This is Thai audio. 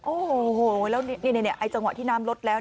โอ้โหแล้วนี่ไอ้จังหวะที่น้ำลดแล้ว